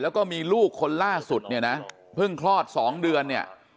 แล้วก็มีลูกคนล่าสุดเพิ่งคลอดสองเดือน